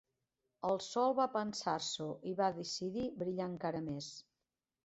El sol va pensar-s'ho, i va decidir brillar encara més.